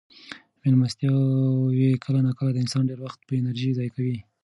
مېلمستیاوې کله ناکله د انسان ډېر وخت او انرژي ضایع کوي.